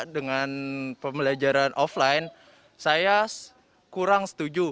dengan pembelajaran offline saya kurang setuju